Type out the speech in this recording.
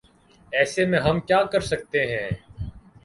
ایسے میں ہم کیا کر سکتے ہیں ۔